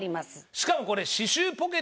しかもこれ。